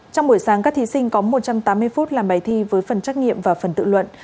trong buổi sáng các thí sinh có một trăm tám mươi phút làm bài thi với phần trắc nghiệm và phần tự luận